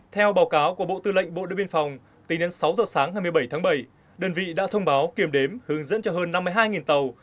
theo báo cáo của bộ tư lệnh bộ đội biên phòng tính đến sáu giờ sáng ngày một mươi bảy tháng bảy đơn vị đã thông báo kiểm đếm hướng dẫn cho hơn năm mươi hai tàu